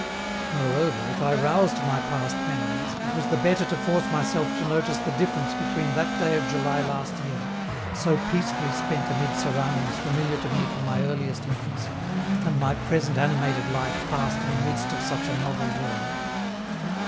Moreover, if I roused my past memories, it was the better to force myself to notice the difference between that day of July last year, so peacefully spent amid surroundings familiar to me from my earliest infancy, and my present animated life passed in the midst of such a novel world.